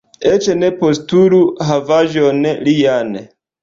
Eĉ ne postulu havaĵon lian.